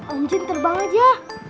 om jun terbang aja